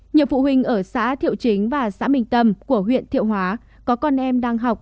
nhiều phụ huynh ở xã thiệu chính và xã minh tâm của huyện thiệu hóa có con em đang học